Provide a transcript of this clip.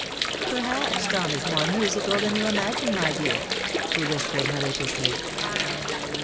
"Perhaps Tom is more musical than you imagine, my dear," she whispered, maliciously.